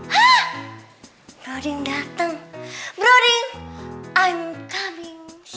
hah broding dateng broding i'm coming